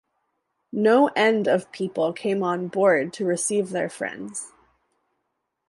No end of people came on board to receive their friends.